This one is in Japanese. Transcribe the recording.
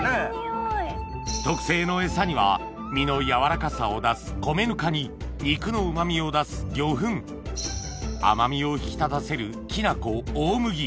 特製の餌には身の軟らかさを出す米ぬかに肉の旨味を出す魚粉甘みを引き立たせるきな粉大麦